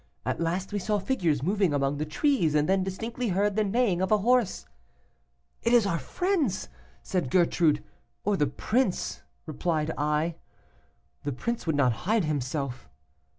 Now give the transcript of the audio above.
At last we saw figures moving among the trees, and then distinctly heard the neighing of a horse. "It is our friends,' said Gertrude. 'Or the prince,' replied I. 'The prince would not hide himself.